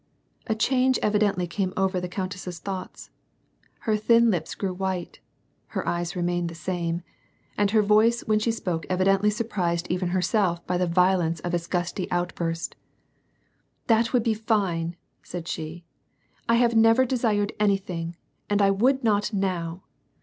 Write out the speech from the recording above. '* A change evidently came over the countess's thoughts ; her thin lips grew white (her eyes remained the same) and her Toice when she spoke evidently surprised even herself by the violence of its gusty outburst. "That would be fine," said she. "I have never desired any thing, and I would not now."